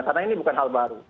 karena ini bukan hal baru